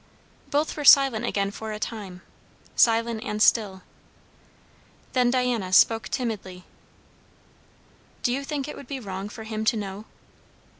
Both were silent again for a time; silent and still. Then Diana spoke timidly: "Do you think it would be wrong for him to know?"